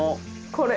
これ。